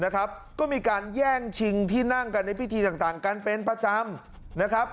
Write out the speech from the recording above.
ก็มีการแย่งชิงที่นั่งกันในพิธีต่างกันเป็นประจำนะครับ